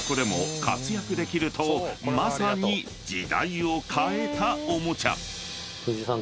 ［まさに時代を変えたおもちゃ］